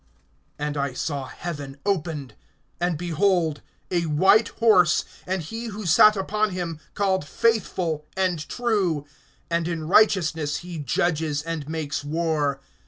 (11)And I saw heaven opened, and behold a white horse, and he who sat upon him, called Faithful and True; and in righteousness he judges, and makes war.